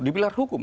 di pilar hukum